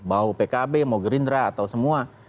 mau pkb mau gerindra atau semua